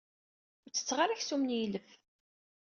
Ur ttetteɣ ara aksum n yilef.